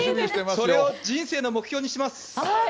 それを人生の目標にします。